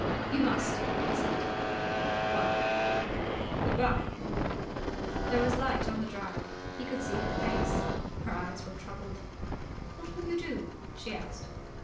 "You must," he said. "Well ... good bye." There was light on the drive. He could see her face. Her eyes were troubled. "What will you do?" she asked.